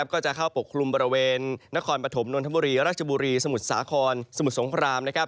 ก็จะเข้าปกคลุมบริเวณนครปฐมนนทบุรีราชบุรีสมุทรสาครสมุทรสงคราม